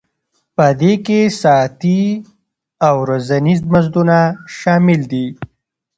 په دې کې ساعتي او ورځني مزدونه شامل دي